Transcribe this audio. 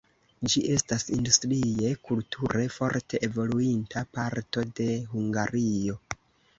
Ĝi estas industrie, kulture forte evoluinta parto de Hungario.